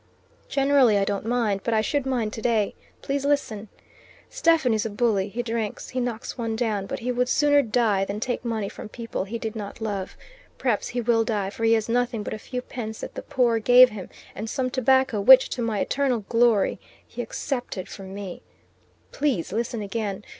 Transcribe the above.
Generally I don't mind, but I should mind today. Please listen. Stephen is a bully; he drinks; he knocks one down; but he would sooner die than take money from people he did not love. Perhaps he will die, for he has nothing but a few pence that the poor gave him and some tobacco which, to my eternal glory, he accepted from me. Please listen again.